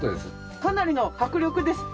かなりの迫力です。